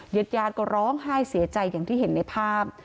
ญาติญาติก็ร้องไห้เสียใจอย่างที่เห็นในภาพ